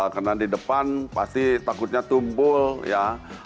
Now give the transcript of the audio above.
karena di depan pasti takutnya tumbul ya